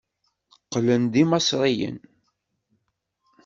Qqlen d imesriyen.